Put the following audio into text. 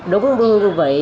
đúng đương vị